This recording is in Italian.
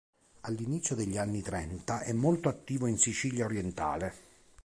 All'inizio degli anni trenta è molto attivo in Sicilia orientale.